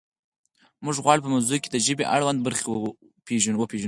موږ غواړو په مغزو کې د ژبې اړوند برخې وپیژنو